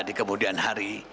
di kemudian hari